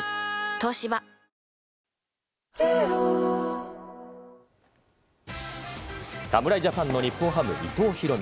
東芝侍ジャパンの日本ハム、伊藤大海。